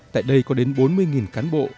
tại đây có đến bốn mươi cán bộ